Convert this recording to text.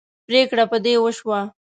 پرېکړه په دې وشوه.